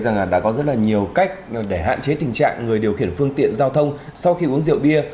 nói chung là đã có rất là nhiều cách để hạn chế tình trạng người điều khiển phương tiện giao thông sau khi uống rượu bia